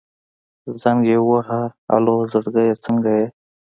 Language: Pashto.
زنګ يې ووهه الو زړګيه څنګه يې.